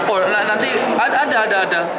oh nanti ada ada ada